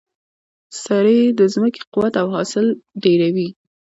سرې د ځمکې قوت او حاصل ډیروي.